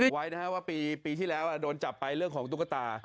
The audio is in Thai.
เดี๋ยวไว้ว่าปีที่แล้วโดนจับไปเรื่องของตุ๊กตา